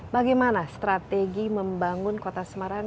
bagaimana strategi membangun kota semarang